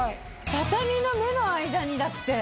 畳の目の間にだって。